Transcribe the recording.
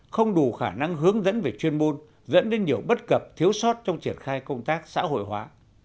không đủ khả năng hướng dẫn về chuyên môn dẫn đến nhiều bất cập thiếu sót trong triển khai công tác xã hội hóa